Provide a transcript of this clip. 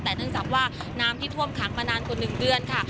แต่เนื่องจากว่าน้ำที่ท่วมขังมานานกว่า๑เดือนค่ะ